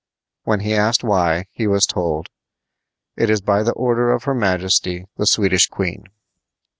When he asked why, he was told: "It is by the order of her majesty the Swedish queen."